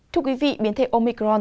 thưa quý vị biến thể omicron